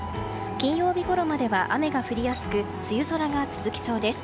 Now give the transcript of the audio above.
金曜ごろまでは雨が降りやすく梅雨空が続きそうです。